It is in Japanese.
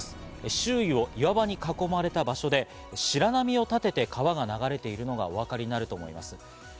周囲を岩場に囲まれた場所で、白波を立てて川が流れているのがわかります。